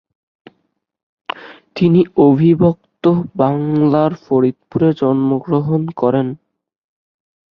তিনি অবিভক্ত বাংলার ফরিদপুরে জন্মগ্রহণ করেন।